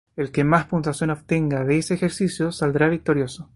El que más puntuación obtenga de ese ejercicio saldrá victorioso.